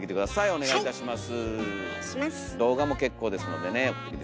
お願いいたします。